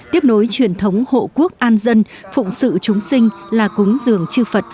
tiếp nối truyền thống hộ quốc an dân phụng sự chúng sinh là cúng giường chư phật